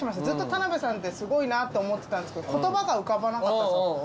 ずっと田辺さんってすごいなって思ってたんですけど言葉が浮かばなかったんですよ。